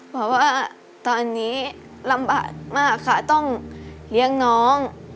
เพราะว่าตอนนี้ลำบากมากค่ะต้องเลี้ยงน้อง